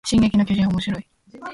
進撃の巨人はおもしろい